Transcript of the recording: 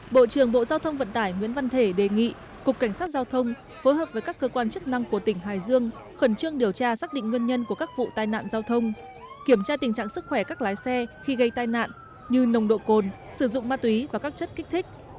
bộ trưởng bộ giao thông vận tải nguyễn văn thể đề nghị cục cảnh sát giao thông phối hợp với các cơ quan chức năng của tỉnh hải dương khẩn trương điều tra xác định nguyên nhân của các vụ tai nạn giao thông kiểm tra tình trạng sức khỏe các lái xe khi gây tai nạn như nồng độ cồn sử dụng ma túy và các chất kích thích